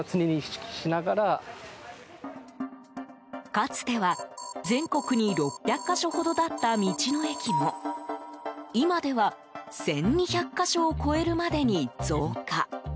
かつては、全国に６００か所ほどだった道の駅も今では１２００か所を超えるまでに増加。